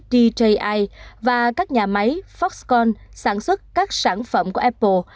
dji và các nhà máy foxconn sản xuất các sản phẩm của apple